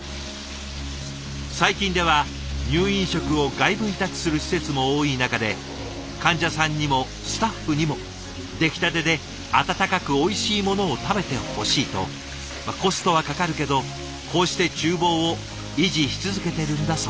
最近では入院食を外部委託する施設も多い中で患者さんにもスタッフにも出来たてで温かくおいしいものを食べてほしいとコストはかかるけどこうして厨房を維持し続けてるんだそう。